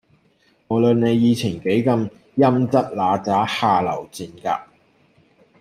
無論你以前幾咁陰騭嗱喳下流賤格